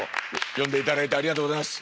呼んでいただいてありがとうございます。